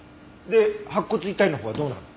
で白骨遺体のほうはどうなの？